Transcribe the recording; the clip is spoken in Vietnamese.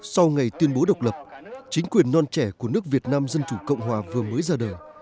sau ngày tuyên bố độc lập chính quyền non trẻ của nước việt nam dân chủ cộng hòa vừa mới ra đời